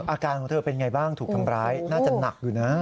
อาการของเธอเป็นไงบ้างถูกทำร้ายน่าจะหนักอยู่นะ